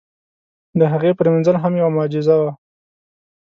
د هغې پرېمنځل هم یوه معجزه وه.